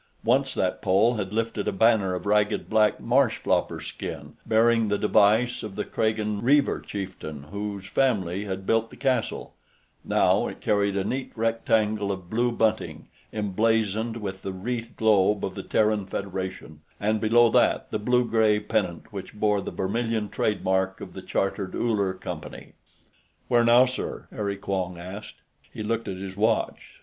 Once that pole had lifted a banner of ragged black marsh flopper skin bearing the device of the Kragan riever chieftain whose family had built the castle; now it carried a neat rectangle of blue bunting emblazoned with the wreathed globe of the Terran Federation and, below that, the blue gray pennant which bore the vermilion trademark of the Chartered Uller Company. "Where now, sir?" Harry Quong asked. He looked at his watch.